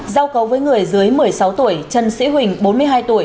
giao cấu với người dưới một mươi sáu tuổi trần sĩ huỳnh bốn mươi hai tuổi